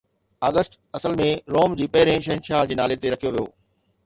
August اصل ۾ Rome جي پهرين شهنشاهه جي نالي تي رکيو ويو.